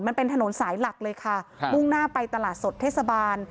มันเป็นถนนสายหลักเลยค่ะครับมุ่งหน้าไปตลาดสดเทศบาล